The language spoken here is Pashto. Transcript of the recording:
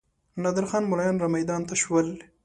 نادر خان ملایان رامیدان ته شول.